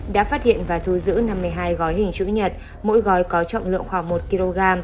đã phát hiện và thu giữ năm mươi hai gói hình chữ nhật mỗi gói có trọng lượng khoảng một kg